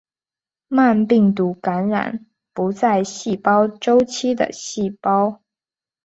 慢病毒感染不在细胞周期的细胞。